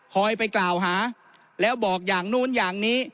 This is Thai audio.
ไปกล่าวหาแล้วบอกอย่างนู้นอย่างนี้